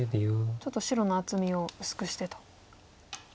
ちょっと白の厚みを薄くしてと。